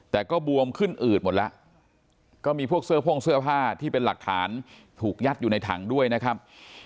แต่ก็บวมขึ้นอืดหมดแล้วก็มีพวกเสื้อโพ่งเสื้อผ้าที่เป็นหลักฐานถูกยัดอยู่ในถังด้วยนะครับ